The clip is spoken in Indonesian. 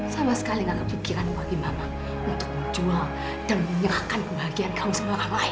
sama sekali gak kepikiran bagi mama untuk menjual dan menyerahkan kebahagiaan kamu sama orang lain